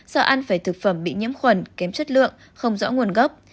do ăn phải thực phẩm bị nhiễm khuẩn kém chất lượng không rõ nguồn gốc